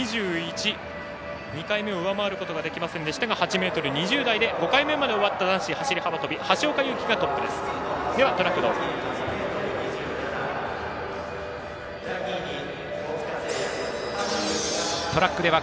２回目を上回ることができませんでしたが８ｍ２０台で５回目まで終わった男子走り幅跳び橋岡優輝がトップです。